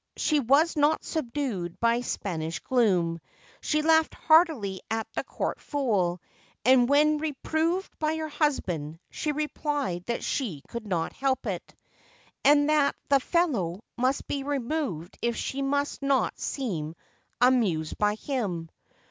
She was not subdued by Spanish gloom. She laughed heartily at the court fool, and when reproved by her husband, she replied that she could not help it, 533 SPAIN and that the fellow must be removed if she must not seem amused by him.